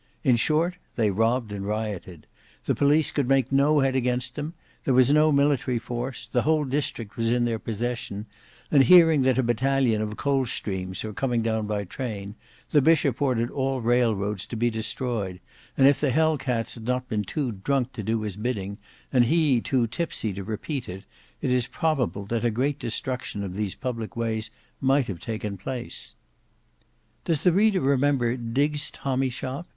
In short they robbed and rioted; the police could make no head against them; there was no military force; the whole district was in their possession: and hearing that a battalion of the Coldstreams were coming down by a train, the Bishop ordered all railroads to be destroyed, and if the Hell cats had not been too drunk to do his bidding and he too tipsy to repeat it, it is probable that a great destruction of these public ways might have taken place. Does the reader remember Diggs' tommy shop?